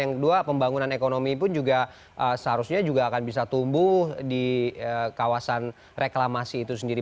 yang kedua pembangunan ekonomi pun juga seharusnya juga akan bisa tumbuh di kawasan reklamasi itu sendiri